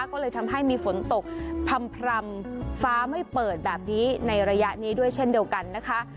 ก็เลยทำให้มีฝนตกพร่ำฟ้าไม่เปิดแบบนี้ในระยะนี้ด้วยเช่นเดียวกันนะคะ